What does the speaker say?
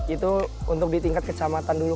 itu untuk ditingkat kecamatan dulu